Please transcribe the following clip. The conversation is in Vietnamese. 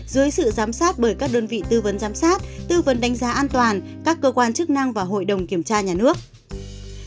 dưới sự giám sát bởi các đơn vị tư vấn giám sát tư vấn đánh giá an toàn các cơ quan chức năng và hội đồng kiểm tra nhà nước